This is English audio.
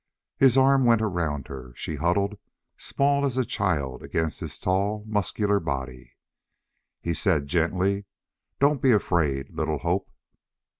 His arm went around her. She huddled, small as a child against his tall, muscular body. He said gently, "Don't be afraid, little Hope."